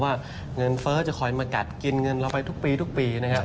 ว่าเงินเฟ้อจะคอยมากัดกินเงินเราไปทุกปีทุกปีนะครับ